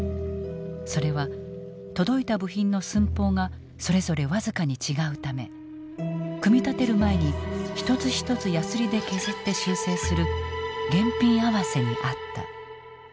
それは届いた部品の寸法がそれぞれ僅かに違うため組み立てる前に一つ一つヤスリで削って修正する現品合わせにあった。